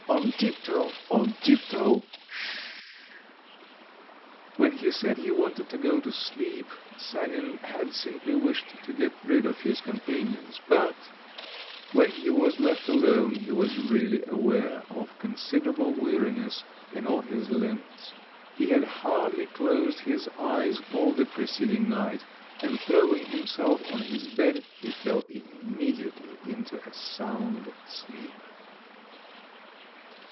On tip toe! On tip toe! Sh—sh—sh!" When he said he wanted to go to sleep, Sanin had simply wished to get rid of his companions; but when he was left alone, he was really aware of considerable weariness in all his limbs; he had hardly closed his eyes all the preceding night, and throwing himself on his bed he fell immediately into a sound sleep.